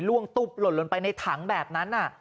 ตุ๊บหล่นลงไปในถังแบบนั้น